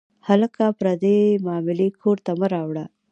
هلکه، پردۍ معاملې کور ته مه راوړه.